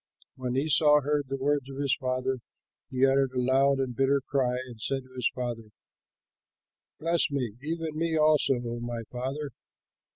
When Esau heard the words of his father, he uttered a loud and bitter cry and said to his father, "Bless me, even me also, O my father."